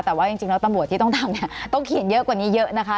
แต่ว่าต้องทีนี้เราต้องขินเยอะกว่านี้เยอะนะคะ